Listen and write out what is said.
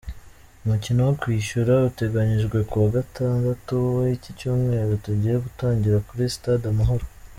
Umukino wo kwishyura uteganyijwe kuwa Gatandatu w’iki cyumweru tugiye gutangira, kuri stade Amahoro.